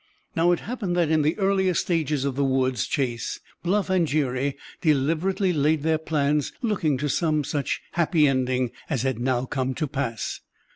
Now it happened that in the earlier stages of the woods chase Bluff and Jerry deliberately laid their plans looking to some such happy ending as had now come to pass.